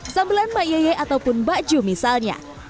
sambelan mbak yeye ataupun mbak ju misalnya